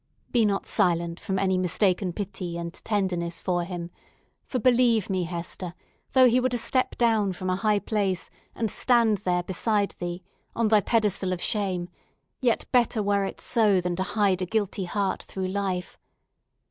Be not silent from any mistaken pity and tenderness for him; for, believe me, Hester, though he were to step down from a high place, and stand there beside thee, on thy pedestal of shame, yet better were it so than to hide a guilty heart through life.